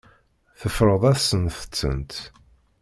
Teffreḍ-asent-tent.